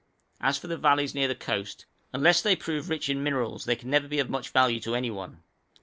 As for the valleys near the coast, unless they prove rich in minerals they can never be of much value to any one.